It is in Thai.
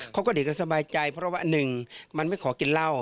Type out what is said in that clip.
คนอื่นก็สบายใจเพราะว่าหนึ่งมันไม่ขอกินเหล้า